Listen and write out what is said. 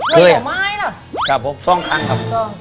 เคยแต่ผมทำให้สองทั้งครบ